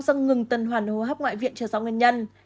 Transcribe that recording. dâng ngừng tần hoàn hô hấp ngoại viện cho giáo nguyên nhân